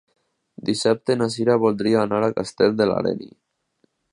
Dissabte na Cira voldria anar a Castell de l'Areny.